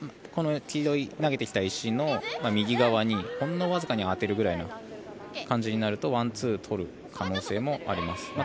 この黄色い投げてきた石の右側にほんのわずかに当てるぐらいの形になるとワン、ツーを取る可能性もあります。